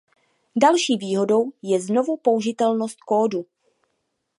Další výhodou je znovu použitelnost kódu.